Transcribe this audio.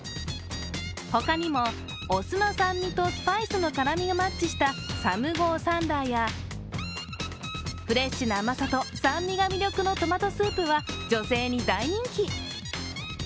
他にも、お酢の酸味とスパイスの辛みがマッチしたサムゴーサンラーやフレッシュな甘さと酸味が魅力のトマトスープは女性に大人気。